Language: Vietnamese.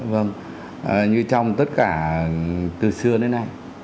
vâng như trong tất cả từ xưa đến nay